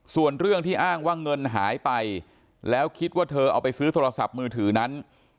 ส่วนเรื่องที่อ้างว่าเงินหายไปแล้วคิดว่าเธอเอาไปซื้อโทรศัพท์มือถือนั้น